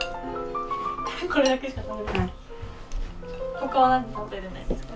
ほかは何で食べれないんですか？